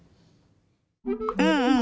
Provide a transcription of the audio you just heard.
うんうん。